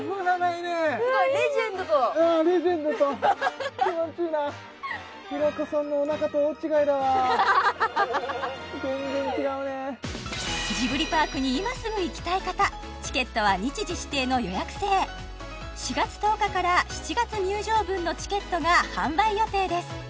すごいレジェンドとうんレジェンドと平子さんのおなかと大違いだわ全然違うねジブリパークに今すぐ行きたい方チケットは日時指定の予約制４月１０日から７月入場分のチケットが販売予定です